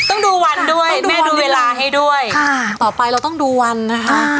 ต้องดูวันด้วยแม่ดูเวลาให้ด้วยต่อไปเราต้องดูวันนะคะ